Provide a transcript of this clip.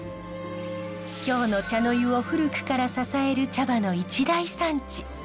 京の茶の湯を古くから支える茶葉の一大産地。